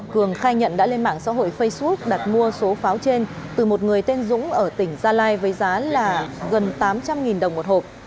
cường khai nhận đã lên mạng xã hội facebook đặt mua số pháo trên từ một người tên dũng ở tỉnh gia lai với giá là gần tám trăm linh đồng một hộp